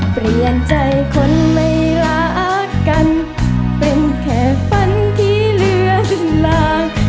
เปลี่ยนใจคนไม่รักกันเป็นแค่ฝันที่เหลือขึ้นมา